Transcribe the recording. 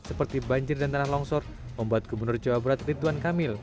seperti banjir dan tanah longsor membuat gubernur jawa barat ridwan kamil